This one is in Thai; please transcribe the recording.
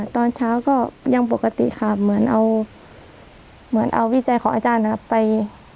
ตอนเช้าก็ยังปกติค่ะเหมือนเอาวิจัยของอาจารย์ไป